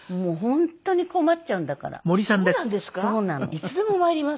いつでもまいります。